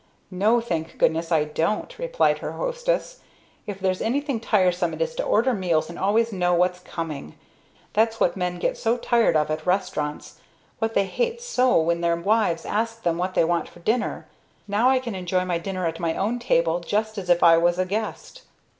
"No, thank goodness, I don't," replied her hostess. "If there's anything tiresome it is to order meals and always know what's coming! That's what men get so tired of at restaurants; what they hate so when their wives ask them what they want for dinner. Now I can enjoy my dinner at my own table, just as if I was a guest."